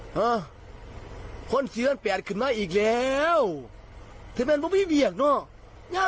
ฮะคนซีสันแปดขึ้นมาอีกแล้วแต่มันเป็นพี่เบียกเนอะ